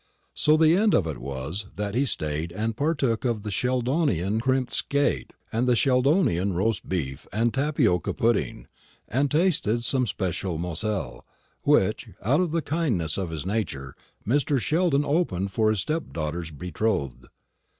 So the end of it was, that he stayed and partook of the Sheldonian crimped skate, and the Sheldonian roast beef and tapioca pudding, and tasted some especial Moselle, which, out of the kindliness of his nature, Mr. Sheldon opened for his stepdaughter's betrothed.